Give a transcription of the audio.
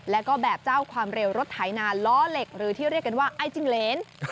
แล้วก็แบบเจ้าความเร็วรถไถนาล้อเหล็กหรือที่เรียกกันว่าไอจิงเลน